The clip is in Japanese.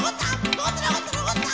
のこったのこったのこった！